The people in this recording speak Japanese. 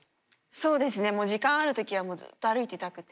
そうですねもう時間ある時はもうずっと歩いてたくて。